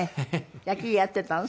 野球やってたの？